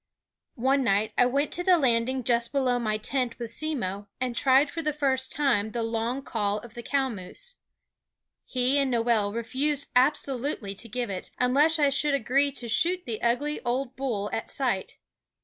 One night I went to the landing just below my tent with Simmo and tried for the first time the long call of the cow moose. He and Noel refused absolutely to give it, unless I should agree to shoot the ugly old bull at sight.